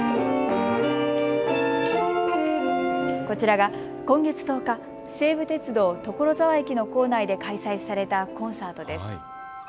こちらが今月１０日、西武鉄道所沢駅の構内で開催されたコンサートです。